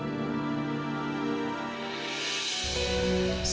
kenapa dia bisa jadi seperti ini